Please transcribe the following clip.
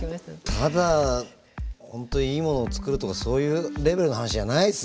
ただ本当にいいものを作るとかそういうレベルの話じゃないっすね。